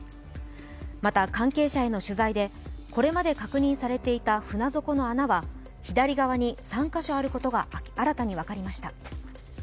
また関係者への取材で、これまで確認されていた船底の穴は左側に３カ所あることが新たに分かりました。